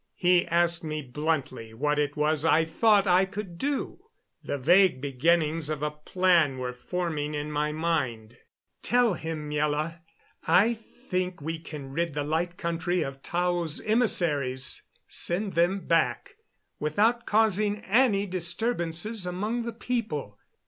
He asked me bluntly what it was I thought I could do. The vague beginnings of a plan were forming in my mind. "Tell him, Miela, I think we can rid the Light Country of Tao's emissaries send them back without causing any disturbances among the people.